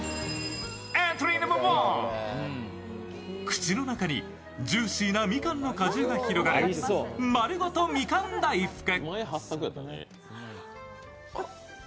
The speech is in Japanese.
口の中にジューシーなみかんの果汁が広がるまるごとみかん大福。